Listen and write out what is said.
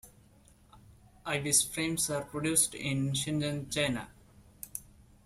Ibis frames are produced in Shenzhen, China.